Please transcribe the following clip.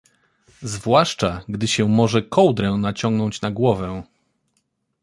zwłaszcza, gdy się może kołdrę naciągnąć na głowę.